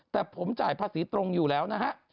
แต่ผมจ่ายภาษีตรงอยู่แล้วนะฮะ